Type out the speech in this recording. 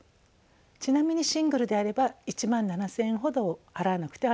ちなみにシングルであれば１万７，０００円ほど払わなくてはなりません。